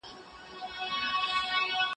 ته ولي قلم کاروې؟